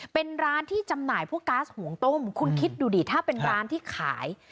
เป็นร้านที่จำหน่ายพวกก๊าซหุงต้มคุณคิดดูดิถ้าเป็นร้านที่ขาย